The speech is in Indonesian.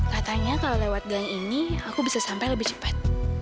katanya kalau lewat gaya ini aku bisa sampai lebih cepat